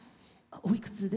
おいくつで？